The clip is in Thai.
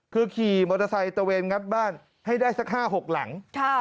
คือขี่มอเตอร์ไซค์ตะเวนงัดบ้านให้ได้สัก๕๖หลัง